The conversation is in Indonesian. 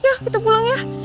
ya kita pulang ya